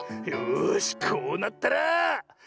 よしこうなったら。